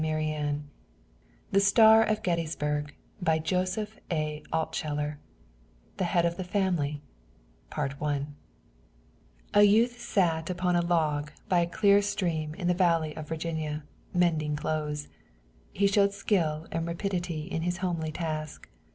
GETTYSBURG THE STAR OF GETTYSBURG CHAPTER I THE HEAD OF THE FAMILY A youth sat upon a log by a clear stream in the Valley of Virginia, mending clothes. He showed skill and rapidity in his homely task.